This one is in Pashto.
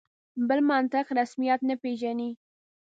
بل منطق رسمیت نه پېژني.